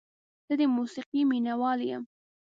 زه د موسیقۍ مینه وال یم.